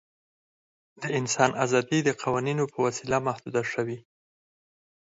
د انسان آزادي د قوانینو په وسیله محدوده شوې.